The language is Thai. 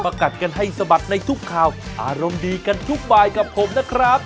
กัดกันให้สะบัดในทุกข่าวอารมณ์ดีกันทุกบายกับผมนะครับ